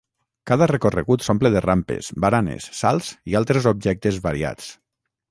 Cada recorregut s'omple de rampes, baranes, salts i altres objectes variats.